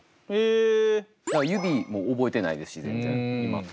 指も覚えてないですし全然今。